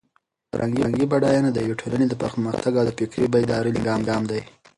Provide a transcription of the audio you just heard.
فرهنګي بډاینه د یوې ټولنې د پرمختګ او د فکري بیدارۍ لومړنی ګام دی.